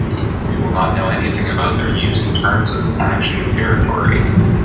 We will not know anything about their use in terms of action and territory.